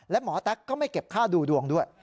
และหมอแต๊กก็ไม่เก็บค่าดูดวงด้วย